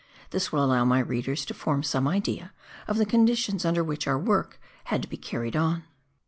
This will allow my readers to form some idea of the conditions under which our work had to be carried on.